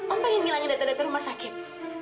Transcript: om pengen ngilangin data data rumah sakit